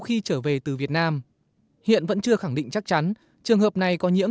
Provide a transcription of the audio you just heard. khi trở về từ việt nam hiện vẫn chưa khẳng định chắc chắn trường hợp này có nhiễm